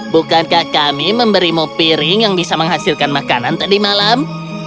bukankah kami memberimu piring yang bisa menghasilkan makanan tadi malam